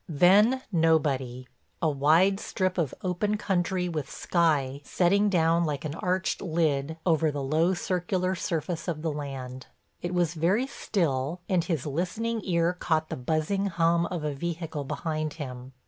Then nobody—a wide strip of open country with the sky setting down like an arched lid over the low circular surface of the land. It was very still and his listening ear caught the buzzing hum of a vehicle behind him.